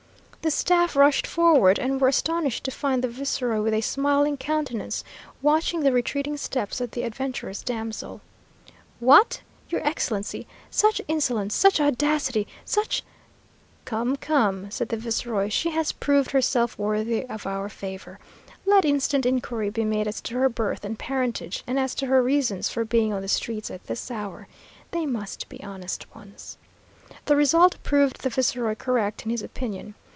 The staff rushed forward, and were astonished to find the viceroy with a smiling countenance, watching the retreating steps of the adventurous damsel. "What! your Excellency such insolence! such audacity! such " "Come, come," said the viceroy, "she has proved herself worthy of our favour. Let instant inquiry be made as to her birth and parentage, and as to her reasons for being on the streets at this hour. They must be honest ones." The result proved the viceroy correct in his opinion.